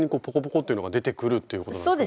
ッていうのが出てくるっていうことなんですかね。